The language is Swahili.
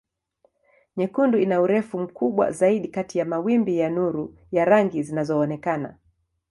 Nyekundu ina urefu mkubwa zaidi kati ya mawimbi ya nuru ya rangi zinazoonekana.